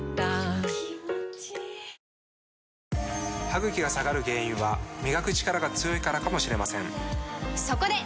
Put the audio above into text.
歯ぐきが下がる原因は磨くチカラが強いからかもしれませんそこで！